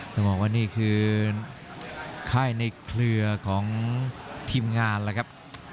ต้องบอกว่านี่คือค่ายในเครือของทีมงานแล้วครับ